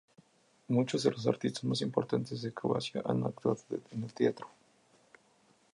Muchos de los artistas más importantes de Croacia han actuado en el teatro.